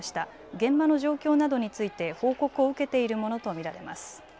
現場の状況などについて報告を受けているものと見られます。